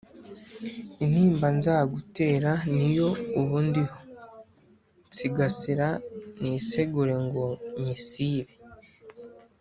Intimba nzagutera Niyo ubu ndiho nsigasira Nisegura ngo nyisibe!